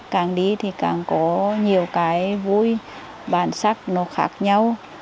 càng đi thì càng có nhiều cái vui bản sắc nó khác nhau